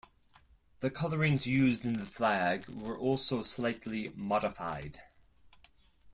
The colourings used in the flag were also slightly modified.